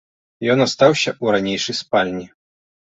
Ён астаўся ў ранейшай спальні.